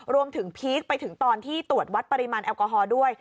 พีคไปถึงตอนที่ตรวจวัดปริมาณแอลกอฮอล์ด้วย